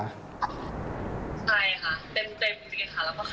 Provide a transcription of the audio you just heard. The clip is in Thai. ใช่ค่ะเต็มเลยค่ะ